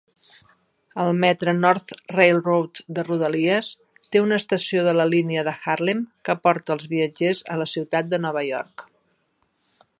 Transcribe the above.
El Metre-North Railroad de rodalies té una estació de la línia de Harlem que porta els viatgers a la ciutat de Nova York.